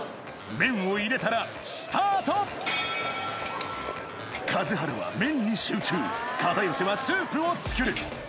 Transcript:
麺を入れたらスタート数原は麺に集中片寄はスープを作る